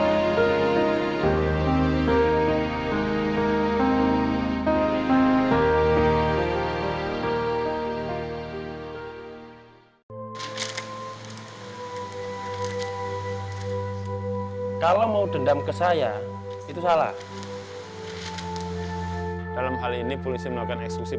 hai kalau mau dendam ke saya itu salah dalam hal ini pulisi melakukan eksklusi